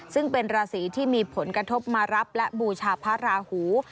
ซึ่งเป็นราศีที่มีผลกระทบมารับและบูชาพระราหู